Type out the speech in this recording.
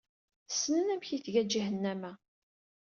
Ssnen amek ay tga jihennama.